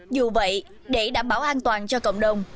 dù vậy để đảm bảo an toàn cho cộng đồng